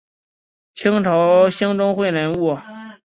清朝兴中会人物。